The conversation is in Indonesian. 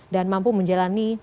dan mampu menjalani